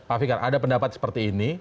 pak fikar ada pendapat seperti ini